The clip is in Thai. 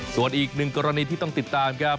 ส่วนอีกหนึ่งกรณีที่ต้องติดตามครับ